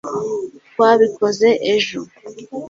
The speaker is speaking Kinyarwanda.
twabikoze ejo